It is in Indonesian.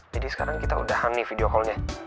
jadi sekarang kita udah ham nih video callnya